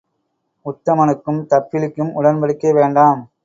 உத்தமனுக்கும் தப்பிலிக்கும் உடம்படிக்கை வேண்டாம்.